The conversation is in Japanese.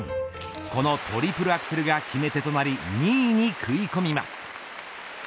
このトリプルアクセルが決め手となり２位に食い込みます。